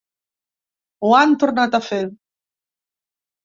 Ho han tornat a fer.